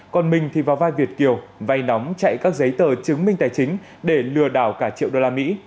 còn mình thì vào vai việt kiều vay nóng chạy các giấy tờ chứng minh tài chính để lừa đảo cả triệu đô la mỹ